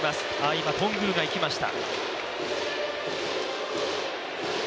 今、頓宮が行きました。